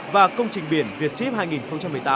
và công trình biển vietship hai nghìn một mươi tám